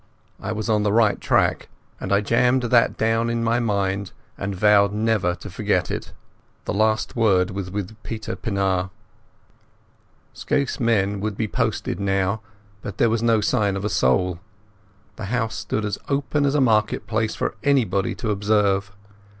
I was on the right track, and I jammed that down in my mind and vowed never to forget it. The last word was with Peter Pienaar. Scaife's men would be posted now, but there was no sign of a soul. The house stood as open as a market place for anybody to observe.